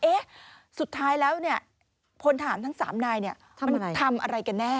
เอ๊ะสุดท้ายแล้วผลฐานทั้ง๓นายทำอะไรกันแน่